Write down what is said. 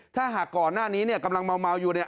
ถ้าหากก่อนหน้านี้เนี่ยกำลังเมาอยู่เนี่ย